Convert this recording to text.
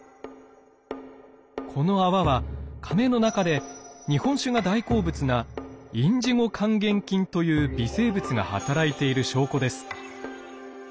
この泡はかめの中で日本酒が大好物なインジゴ還元菌という微生物が働いている証拠です。